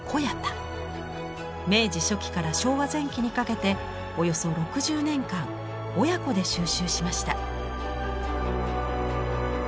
明治初期から昭和前期にかけておよそ６０年間親子で収集しました。